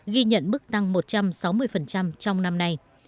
ghi nhận mức tăng một trăm sáu mươi trong năm nay